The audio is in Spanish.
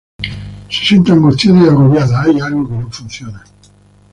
Se siente angustiada y agobiada, hay algo que no funciona.